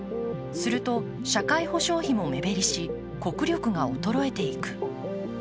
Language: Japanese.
すると社会保障費も目減りし国力が衰えていく。